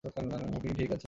আপনি ঠিক আছেন?